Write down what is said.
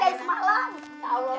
emang saya mimpi dari semalam